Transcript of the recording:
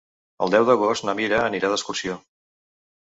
El deu d'agost na Mira anirà d'excursió.